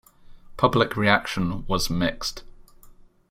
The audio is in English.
Public reaction was mixed.